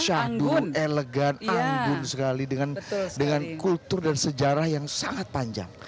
syahdun elegan anggun sekali dengan kultur dan sejarah yang sangat panjang